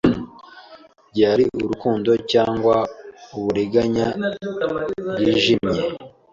Byari urukundo cyangwa uburiganya bwijimye